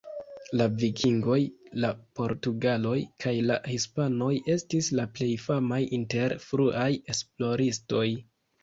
La vikingoj, la portugaloj, kaj la hispanoj estis la plej famaj inter fruaj esploristoj.